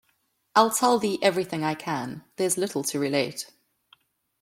I’ll tell thee everything I can; There’s little to relate.